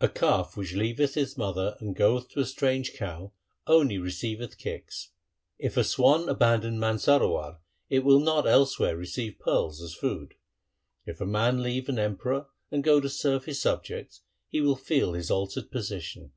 A calf which leaveth its mother and goeth to a strange cow, only receiveth kicks. If a swan abandon Mansarowar, it will not elsewhere receive pearls as food. If a man leave an emperor and go to serve his subjects, he will feel his altered position.